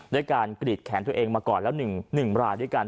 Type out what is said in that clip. ด้วยการกรีดแขนตัวเองมาก่อนแล้ว๑รายด้วยกัน